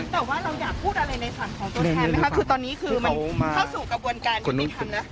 แต่ว่าเราอยากพูดอะไรในศาลของต้นแทนไหมคะคือตอนนี้คือมันเข้าสู่กระบวนการที่ที่ทำแล้ว